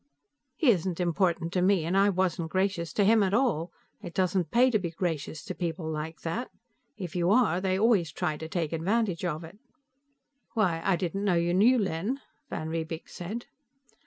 "He isn't important to me, and I wasn't gracious to him at all. It doesn't pay to be gracious to people like that. If you are, they always try to take advantage of it." "Why, I didn't know you knew Len," van Riebeek said.